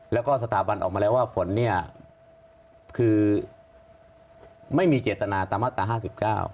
แล้วก็สถาบันออกมาแล้วว่าฝนคือไม่มีเจตนาตามศตรรย์๕๙